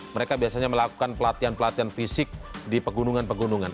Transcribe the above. mereka biasanya melakukan pelatihan pelatihan fisik di pegunungan pegunungan